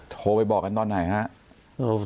โทรไปบอกกันตอนไหนครับ